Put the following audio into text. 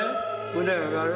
腕上がる。